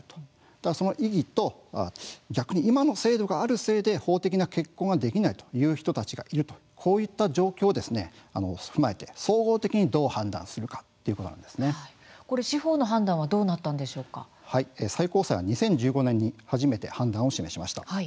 ただ、その意義と逆に今の制度があるせいで法的な結婚ができないという人たちがいるこういう状況を踏まえて総合的に、どう判断するかという司法の判断は最高裁は２０１５年に初めて判断を示しました。